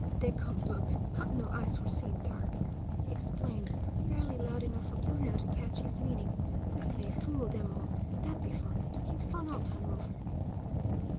"Dey come look, got no eyes for see in dark," he explained, barely loud enough for Bruno to catch his meaning. "We play fool dem all; dat be fun; heap fun all time over!"